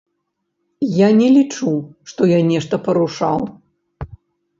Я не лічу, што я нешта парушаў.